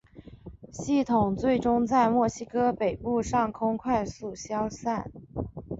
系统最终在墨西哥北部上空快速消散。